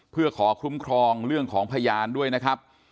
เพื่อขอคุ้มครองเรื่องของพยานด้วยนะครับ